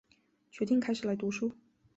决定开始来读书